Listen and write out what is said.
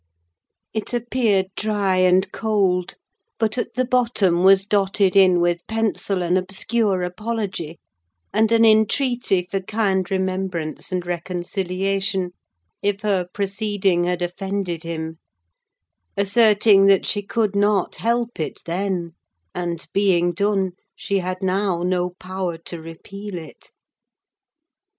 It appeared dry and cold; but at the bottom was dotted in with pencil an obscure apology, and an entreaty for kind remembrance and reconciliation, if her proceeding had offended him: asserting that she could not help it then, and being done, she had now no power to repeal it.